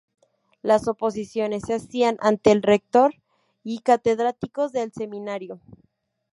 Las oposiciones se hacían ante el rector y catedráticos del seminario.